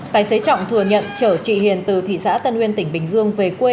tài xế trọng thừa nhận chở chị hiền từ thị xã tân uyên tỉnh bình dương về quê